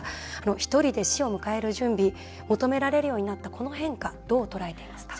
ひとりで死を迎える準備求められるようになったこの変化、どう捉えていますか。